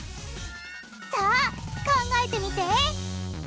さあ考えてみて！